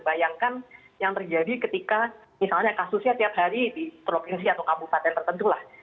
bayangkan yang terjadi ketika misalnya kasusnya tiap hari di provinsi atau kabupaten tertentu lah